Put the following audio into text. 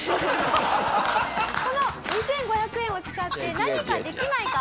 この２５００円を使って何かできないか？